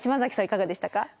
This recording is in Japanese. いかがでしたか？